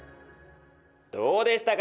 どうでしたか？